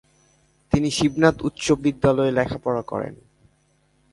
তিনি শিবনাথ উচ্চ বিদ্যালয়ে লেখাপড়া করেন।